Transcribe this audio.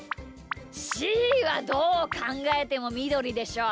しーはどうかんがえてもみどりでしょう。